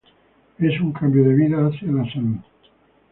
Es un cambio de vida hacia la salud.